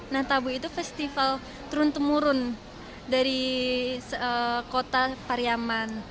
nah tabu itu festival turun temurun dari kota pariaman